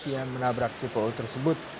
yang menabrak jpo tersebut